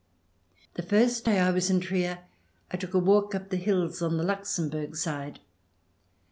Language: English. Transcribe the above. The first day I was in Trier I took a walk up the hills on the Luxembourg side.